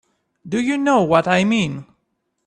Do you know what I mean?